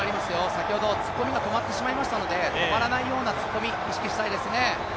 先ほど突っ込みが止まってしまいましたので止まらないような突っ込みを意識したいですね。